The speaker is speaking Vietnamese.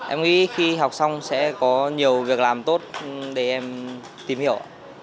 em nghĩ khi học xong sẽ có nhiều việc làm tốt để em tìm hiểu